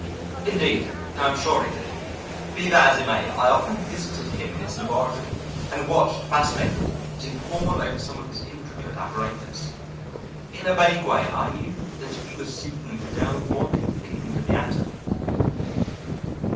Indeed I am sure he did. Be that as it may, I often visited him in his laboratory and watched, fascinated, as he pored over some of his intricate apparatus. In a vague way, I knew that he was seeking to delve more deeply into the atom.